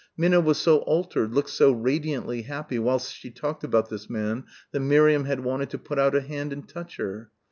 Minna was so altered, looked so radiantly happy whilst she talked about this man that Miriam had wanted to put out a hand and touch her.